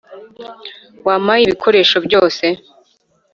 wampaye ibikoresho byose